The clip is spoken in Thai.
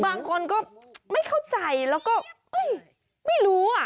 บางคนก็ไม่เข้าใจแล้วก็ไม่รู้อ่ะ